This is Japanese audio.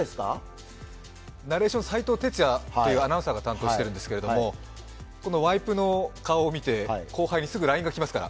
ナレーション、斎藤哲也というアナウンサーが担当してるんですけどこのワイプの顔を見て後輩にすぐＬＩＮＥがきますから。